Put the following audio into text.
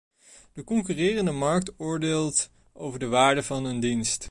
De concurrerende markt oordeelt over de waarde van een dienst.